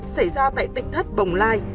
xảy ra tại tỉnh thất bồng lai